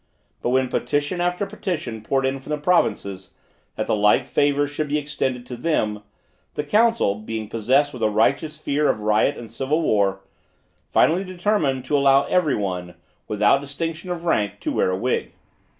But when petition after petition poured in from the provinces, that the like favor should be extended to them, the Council, being possessed with a righteous fear of riot and civil war, finally determined to allow every one, without distinction of rank, to wear a wig.